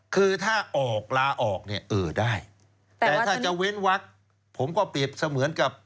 คือถ้าออกลาออกเนี่ยเออได้แต่ถ้าจะเว้นวักผมก็เปรียบเสมือนกับ